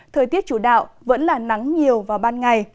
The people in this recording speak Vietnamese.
thời tiết chủ đạo vẫn là nắng nhiều và mạnh